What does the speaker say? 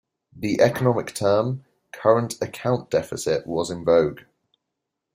The economic term "current account deficit" was in vogue.